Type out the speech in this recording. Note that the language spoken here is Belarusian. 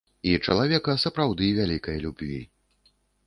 І чалавека сапраўды вялікай любві.